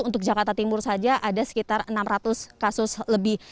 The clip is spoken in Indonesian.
untuk jakarta timur saja ada sekitar enam ratus kasus lebih